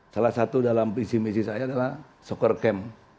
salah satu dalam visi misi saya adalah soccer camp